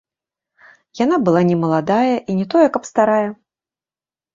Яна была не маладая і не тое каб старая.